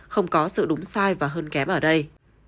không có sự đúng sai và hơn kém ở đây